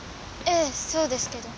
ええそうですけど。